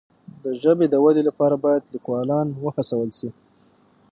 د ژبې د ودي لپاره باید لیکوالان وهڅول سي.